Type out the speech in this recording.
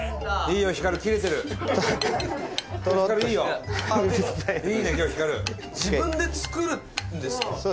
二階堂：自分で作るんですか。